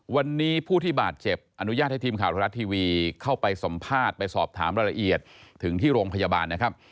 วันนี้ผู้ที่บาดเจ็บอนุญาตให้ทีมข่าวไทยรัฐทีวีเข้าไปสัมภาษณ์ไปสอบถามรายละเอียดถึงที่โรงพยาบาลนะครับ